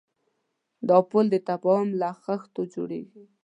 دا پُل د تفاهم له خښتو جوړېږي.